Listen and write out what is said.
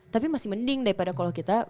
tapi masih mending daripada kalau kita